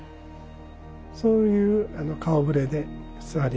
そういう顔ぶれで座りまして。